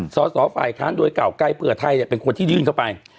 สอสอฝ่ายค้านโดยเก่าไกลเผื่อไทยเป็นคนที่ยื่นเข้าไป